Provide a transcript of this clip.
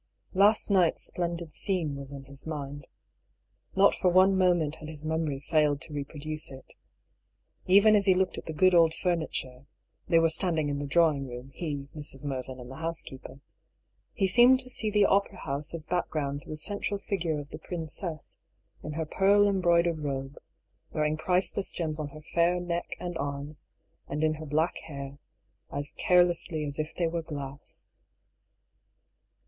Last night's splendid scene was in his mind. Not for one moment had his memory failed to reproduce it. Even as he looked at the good old furniture — (they were standing in the drawing room, he, Mrs. Mervyn, and the housekeeper) — he seemed to see the opera house as back ground to the central figure of the princess in her pearl embroidered robe, wearing priceless gems on her fair neck and arms and in her black hair as carelessly as if they were glass.